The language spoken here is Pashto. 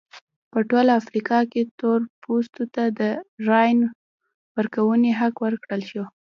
په ټوله افریقا کې تور پوستو ته د رایې ورکونې حق ورکړل شو.